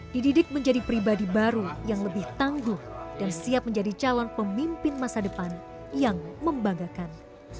dididik menjadi pribadi baru yang lebih tangguh dan siap menjadi calon pemimpin masa depan yang membanggakan